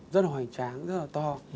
rất là hoài tráng rất là to